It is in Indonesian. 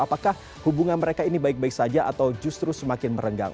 apakah hubungan mereka ini baik baik saja atau justru semakin merenggang